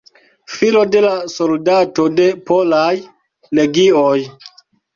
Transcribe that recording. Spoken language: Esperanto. Filo de la soldato de Polaj Legioj.